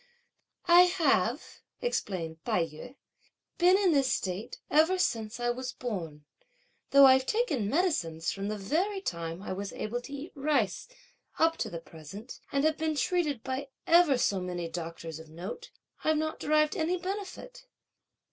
"I have," explained Tai yü, "been in this state ever since I was born; though I've taken medicines from the very time I was able to eat rice, up to the present, and have been treated by ever so many doctors of note, I've not derived any benefit.